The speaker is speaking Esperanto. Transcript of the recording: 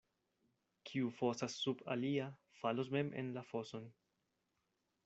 Kiu fosas sub alia, falos mem en la foson.